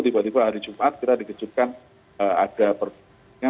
tiba tiba hari jumat kita dikejutkan ada perbedaannya